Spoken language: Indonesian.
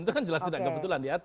itu kan jelas tidak kebetulan diatur